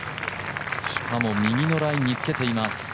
しかも右のラインにつけています。